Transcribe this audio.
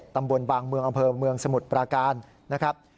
ตำบลบางเมืองอำเภอเมืองสมุทรปราการนะครับ